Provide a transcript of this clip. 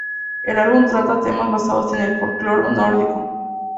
El álbum trata temas basados en el folclore nórdico.